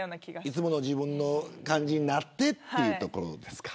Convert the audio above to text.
いつもの自分の感じになってというところですか。